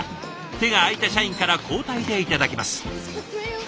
手が空いた社員から交代でいただきます。